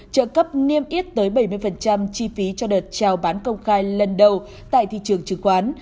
trợ cấp niêm yết tới bảy mươi chi phí cho đợt trao bán công khai lần đầu tại thị trường chứng khoán